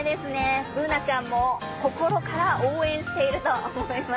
Ｂｏｏｎａちゃんも心から応援していると思います。